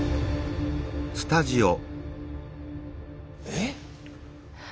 えっ？